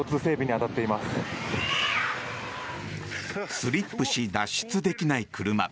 スリップし脱出できない車。